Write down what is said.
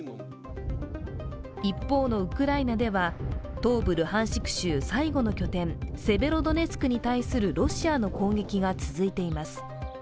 一方のウクライナでは東部ルハンシク州最後の拠点、セベロドネツクに対するロシアの攻撃が続いています。